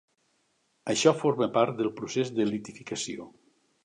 Això forma part del procés de litificació.